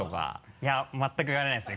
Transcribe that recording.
いや全く言われないですね